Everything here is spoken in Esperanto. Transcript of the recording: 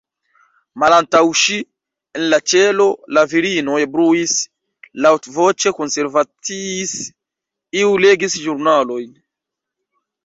Malantaŭ ŝi, en la ĉelo, la virinoj bruis, laŭtvoĉe konversaciis, iuj legis ĵurnalojn.